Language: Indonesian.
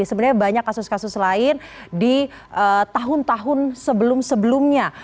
sebenarnya banyak kasus kasus lain di tahun tahun sebelum sebelumnya